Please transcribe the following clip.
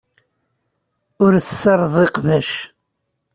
Ur tessardeḍ iqbac.